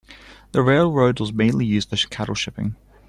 The rail road was mainly used for cattle shipping.